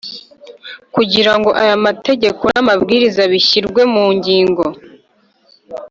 kugirango aya mategeko namabwiriza bishyirwe mungiro